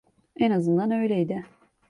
En azından öyleydi.